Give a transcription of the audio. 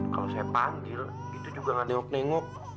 kalau saya panggil itu juga gak nengok nengok